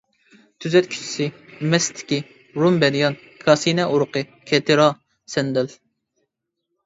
تۈزەتكۈچىسى مەستىكى، رۇم بەدىيان، كاسىنە ئۇرۇقى، كەتىرا، سەندەل.